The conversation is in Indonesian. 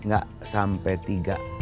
gak sampai tiga